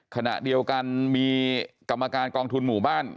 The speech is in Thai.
ขณะเดียวกันมีกรรมการกองทุนหมู่บ้าน